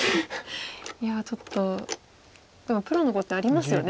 いやちょっとでもプロの碁ってありますよね。